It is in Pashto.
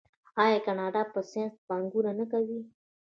آیا کاناډا په ساینس پانګونه نه کوي؟